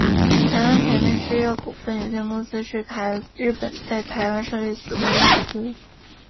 台湾田边制药股份有限公司是日本在台湾设立的子公司。